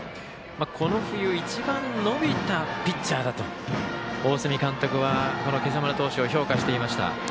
この冬、一番伸びたピッチャーだと大角監督は今朝丸投手を評価していました。